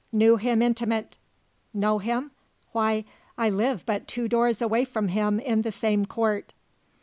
"Knew him intimate. Know him? Why, I live but two doors away from him in the same court."